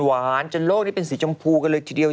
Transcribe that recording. วานจนโลกนี้เป็นสีชมพูกันเลย